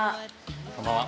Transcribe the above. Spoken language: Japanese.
こんばんは。